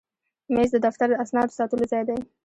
مېز د دفتر د اسنادو ساتلو ځای دی.